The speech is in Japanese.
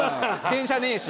電車ねえし。